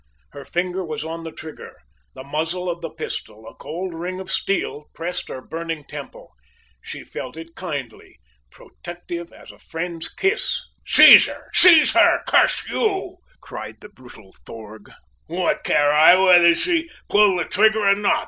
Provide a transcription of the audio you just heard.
Her finger was on the trigger the muzzle of the pistol, a cold ring of steel, pressed her burning temple! She felt it kindly protective as a friend's kiss! "Seize her! Seize her, curse you!" cried the brutal Thorg, "what care I whether she pull the trigger or not?